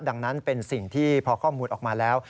ดังนั้นเป็นสิ่งที่พอข้อมูลออกมาแล้ว